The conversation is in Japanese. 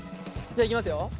じゃあいきますよ。